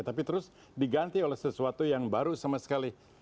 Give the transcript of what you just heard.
tapi terus diganti oleh sesuatu yang baru sama sekali